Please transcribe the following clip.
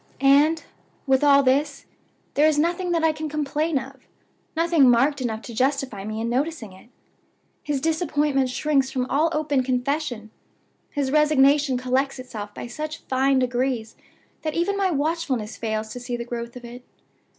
"And, with all this, there is nothing that I can complain of nothing marked enough to justify me in noticing it. His disappointment shrinks from all open confession; his resignation collects itself by such fine degrees that even my watchfulness fails to see the growth of it.